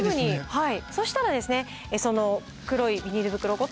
はい。